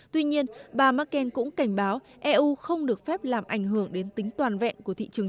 tuy nhiên bà merkel cũng cảnh báo eu không được phép làm ảnh hưởng đến tính toàn vẹn của thị trường